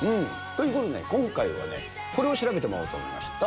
ということでね、今回はこれを調べてもらおうと思いました。